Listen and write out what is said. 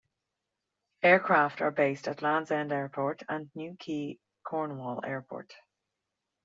Aircraft are based at Land's End Airport and Newquay Cornwall Airport.